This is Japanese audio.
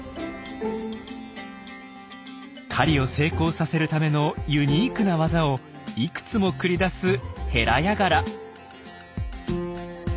狩りを成功させるためのユニークな技をいくつも繰り出すヘラヤガラ。